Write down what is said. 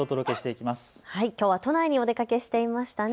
きょうは都内にお出かけしていましたね。